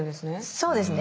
そうですね。